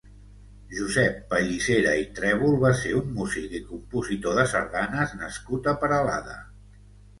Josep Pallissera i Trèbol va ser un músic i compositor de sardanes nascut a Peralada.